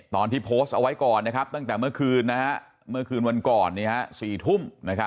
ตอนที่โพสต์เอาไว้ก่อนนะครับตั้งแต่เมื่อคืนวันก่อน๔ทุ่ม